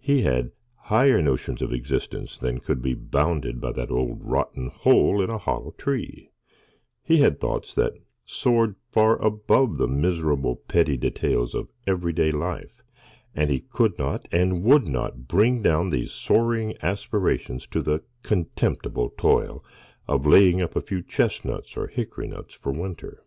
He had higher notions of existence than could be bounded by that old rotten hole in a hollow tree; he had thoughts that soared far above the miserable, petty details of every day life, and he could not and would not bring down these soaring aspirations to the contemptible toil of laying up a few chestnuts or hickory nuts for winter.